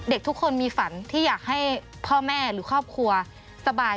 ทุกคนมีฝันที่อยากให้พ่อแม่หรือครอบครัวสบาย